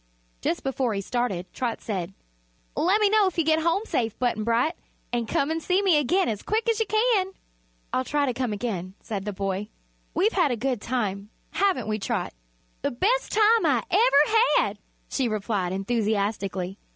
Just before he started Trot said: "Let me know if you get home safe, Button Bright; an' come an' see me again as quick as you can." "I'll try to come again," said the boy. "We've had a good time; haven't we, Trot?" "The bes' time I ever had!" she replied, enthusiastically.